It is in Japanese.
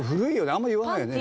あんま言わないよね。